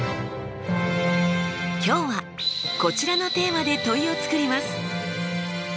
今日はこちらのテーマで問いを作ります。